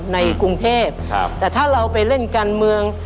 ในกรุงเทพแต่ถ้าเราไปเล่นการเมือง